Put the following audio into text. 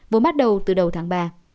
vốn bắt đầu từ đầu tháng ba